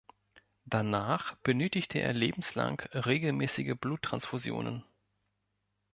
Danach benötigte er lebenslang regelmäßige Bluttransfusionen.